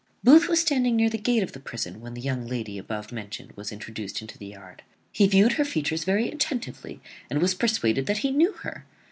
Booth was standing near the gate of the prison when the young lady above mentioned was introduced into the yard. He viewed her features very attentively, and was persuaded that he knew her.